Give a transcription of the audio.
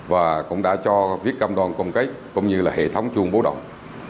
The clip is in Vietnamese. và cũng đã cho viết cam đoàn công kết cũng như là hệ thống chuông bố động